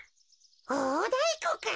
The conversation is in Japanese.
おおだいこか。